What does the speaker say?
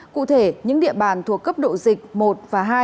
cụ thể những địa bàn thuộc cấp độ dịch một và hai